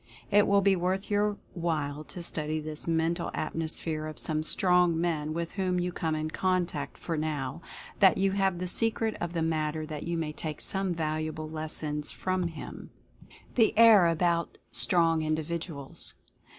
It will be worth your while to study this Mental Atmosphere of some strong man with whom you come in contact, for now 188 Personal Atmosphere 189 that you have the secret of the matter you may take some valuable lessons from him. THE "AIR ABOUT" STRONG INDIVIDUALS.